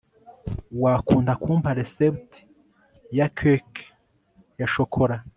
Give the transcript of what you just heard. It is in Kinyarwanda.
wakunda kumpa resept ya cake ya shokora